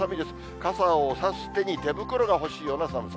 傘を差す手に手袋が欲しいような寒さ。